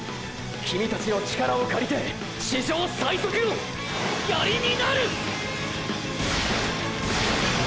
キミたちの力を借りて史上最速の槍になる！！